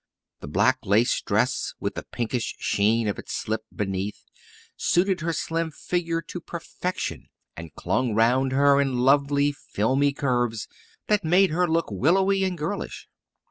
The black lace dress, with the pinkish sheen of its slip beneath, suited her slim shape to perfection and clung around her in lovely, filmy curves that made her look willowy and girlish.